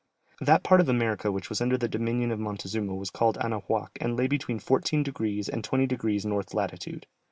That part of America which was under the dominion of Montezuma was called Anahuac and lay between 14 degrees and 20 degrees north latitude.